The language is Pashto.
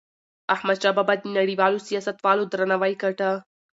احمدشاه بابا د نړیوالو سیاستوالو درناوی ګاټه.